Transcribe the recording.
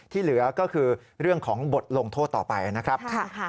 เหลือก็คือเรื่องของบทลงโทษต่อไปนะครับ